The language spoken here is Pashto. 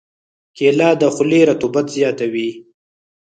کېله د خولې رطوبت زیاتوي.